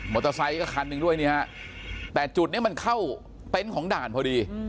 เตอร์ไซค์ก็คันหนึ่งด้วยเนี่ยฮะแต่จุดนี้มันเข้าเต็นต์ของด่านพอดี